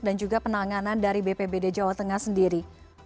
juga penanganan dari bpbd jawa tengah sendiri